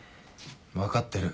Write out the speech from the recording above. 分かってる。